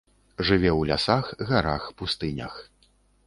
Жыве ў лясах, гарах, пустынях.